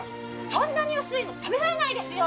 そんなに薄いの食べられないですよ。